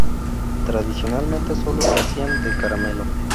Tradicionalmente sólo se hacían de caramelo.